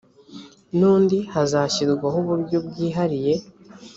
n undi hazashyirwaho uburyo bwihariye